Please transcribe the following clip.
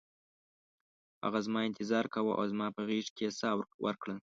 هغه زما انتظار کاوه او زما په غیږ کې یې ساه ورکړه